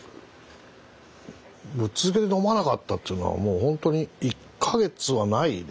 ぶっ続けで飲まなかったっていうのはもう本当に１か月はないでしょうね。